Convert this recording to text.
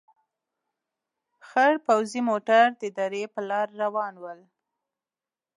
خړ پوځي موټر د درې په لار روان ول.